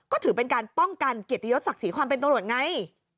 ก็ถือเป็นการป้องกันเกียรติยศศักดิ์ศรีความเป็นตำรวจไง